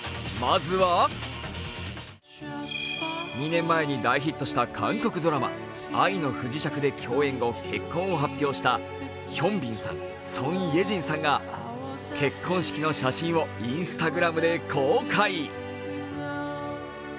２年前に大ヒットした韓国ドラマ「愛の不時着」で共演後、結婚を発表したヒョンビンさん、ソン・イェジンさんが結婚式の写真をＩｎｓｔａｇｒａｍで公開。